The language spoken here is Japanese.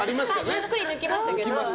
ゆっくり抜きましたけどね。